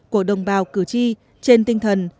của đồng bào cử tri trên tinh thần